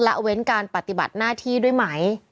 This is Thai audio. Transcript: ละเว้นการปฏิบัติหน้าที่ด้วยไหม